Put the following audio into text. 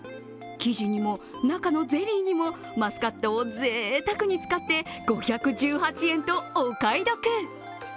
生地にも中のゼリーにもマスカットをぜいたくに使って５１８円と、お買い得！